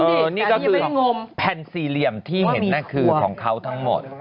นี่ก็คือแผ่นสี่เหลี่ยมที่เห็นนั่นคือของเขาทั้งหมด